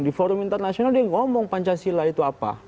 di forum internasional dia ngomong pancasila itu apa